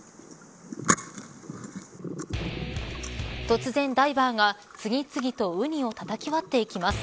突然、ダイバーが次々とウニをたたき割っていきます。